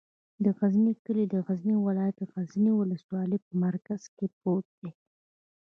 د غزنی کلی د غزنی ولایت، غزنی ولسوالي په مرکز کې پروت دی.